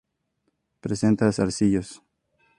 Presenta zarcillos.